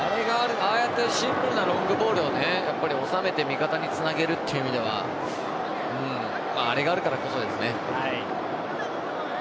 シンプルなロングボールを収めて味方につなげるという意味ではあれがあるからこそですね。